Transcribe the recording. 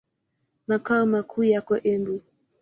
Makao makuu yako Embu.